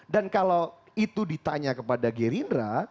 dan kalau itu ditanya kepada gerindra